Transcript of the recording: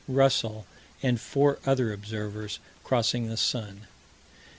Russell and four other observers, crossing the sun.